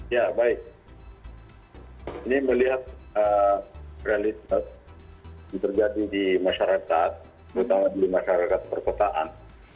ya baik ini melihat realitas yang terjadi di masyarakat terutama di masyarakat perkotaan